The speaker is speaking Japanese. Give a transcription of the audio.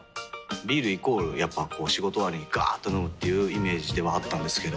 ビールイコールやっぱこう仕事終わりにガーっと飲むっていうイメージではあったんですけど。